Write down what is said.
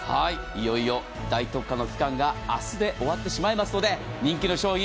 いよいよ大特価の期間が明日で終わってしまいますので人気の商品